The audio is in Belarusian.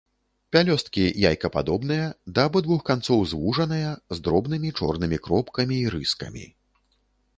Пялёсткі яйкападобныя, да абодвух канцоў звужаныя, з дробнымі чорнымі кропкамі і рыскамі.